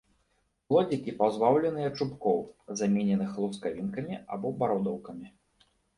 Плодзікі пазбаўленыя чубкоў, замененых лускавінкамі або бародаўкамі.